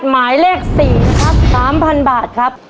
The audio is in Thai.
หมายเลข๔นะครับ๓๐๐บาทครับ